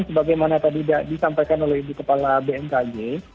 sebagaimana tadi disampaikan oleh ibu kepala bmkg